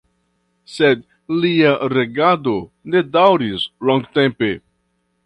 Sed lia regado ne daŭris longtempe.